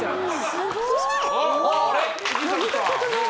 すごい！